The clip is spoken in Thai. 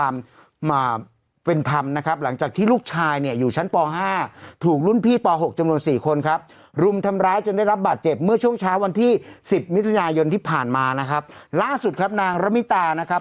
มิถุนายนที่ผ่านมานะครับล่าสุดครับนางรมิตานะครับ